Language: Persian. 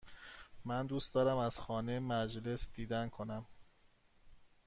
من دوست دارم از خانه مجلس دیدن کنم.